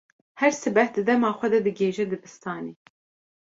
Her sibeh di dema xwe de digihêje dibistanê.